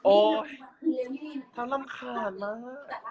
โอ๊น้องรับขาดมาก